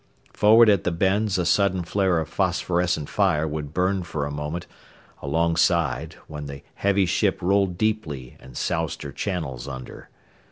Forward at the bends a sudden flare of phosphorescent fire would burn for a moment alongside when the heavy ship rolled deeply and soused her channels under.